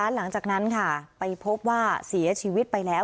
หลังจากนั้นค่ะไปพบว่าเสียชีวิตไปแล้ว